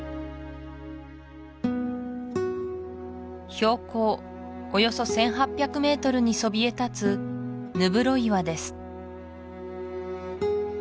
標高およそ１８００メートルにそびえ立つヌブロ岩です